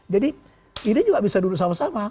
jadi ini juga bisa duduk sama sama